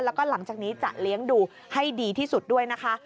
แล้วก็หลังจากนี้จะเลี้ยงดูให้ดีที่สุดด้วยนะคะ